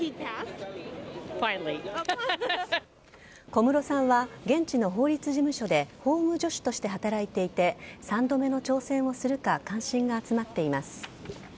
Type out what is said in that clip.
小室さんは現地の法律事務所で法務助手として働いていて３度目の挑戦をするか関心が集まっています